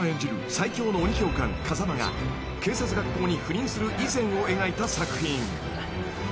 最恐の鬼教官風間が警察学校に赴任する以前を描いた作品］